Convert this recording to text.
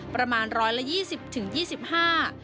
ประมาณ๑๒๐๒๕บาท